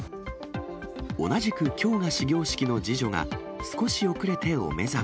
同じくきょうが始業式の次女が、少し遅れてお目覚め。